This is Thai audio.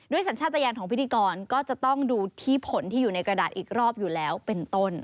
สัญชาติยานของพิธีกรก็จะต้องดูที่ผลที่อยู่ในกระดาษอีกรอบอยู่แล้วเป็นต้น